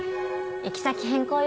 行き先変更よ。